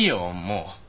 もう。